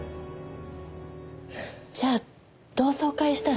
じゃあ同窓会したら？